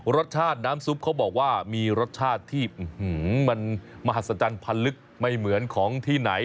รสชาติน้ำซุปเขาบอกว่ามีรสชาติที่มันมหัศจรรย์พันลึกไม่เหมือนของที่ไหน